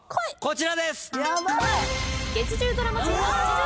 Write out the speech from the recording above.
こちらです！